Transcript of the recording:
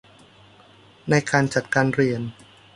ในการจัดการเรียน